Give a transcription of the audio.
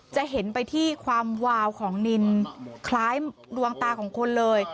จะเห็นไปที่ความวาวของนินคล้ายดวงตาของคนเลย